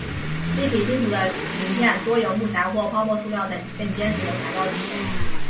立体拼图的零片多由木材或泡沫塑料等更坚实的材料制成。